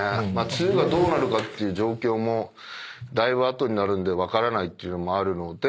梅雨がどうなるかっていう状況もだいぶ後になるんで分からないっていうのもあるので。